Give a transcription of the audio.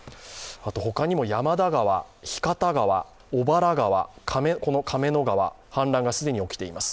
他にも山田川、日方川、小原川、この亀の川、氾濫が既に起きています。